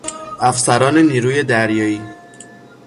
افسران نیروی دریایی